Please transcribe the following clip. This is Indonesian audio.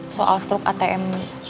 soal struk atm